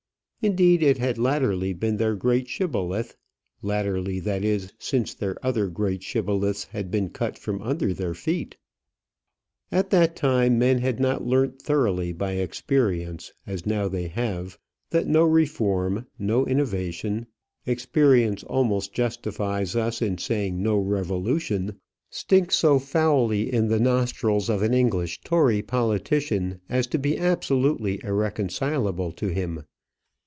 Indeed, it had latterly been their great shibboleth latterly; that is, since their other greater shibboleths had been cut from under their feet. At that time men had not learnt thoroughly by experience, as now they have, that no reform, no innovation experience almost justifies us in saying no revolution stinks so foully in the nostrils of an English Tory politician as to be absolutely irreconcilable to him.